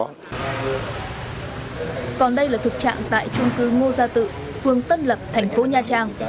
còn đây là thực trạng tại trung cư ngo gia tự phương tân lập thành phố nha trang